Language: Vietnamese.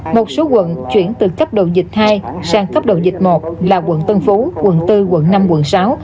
một số quận chuyển từ cấp độ dịch hai sang cấp độ dịch một là quận tân phú quận bốn quận năm quận sáu